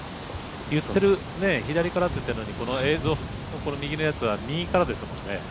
左からと言ってるのにこの映像右のやつは右からですもんね。